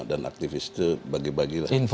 dan aktivis itu bagi bagilah